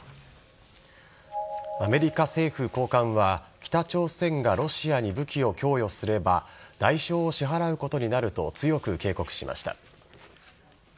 アメリカ政府高官は、北朝鮮がロシアに武器を供与すれば代償を支払うことになると強く警告しました。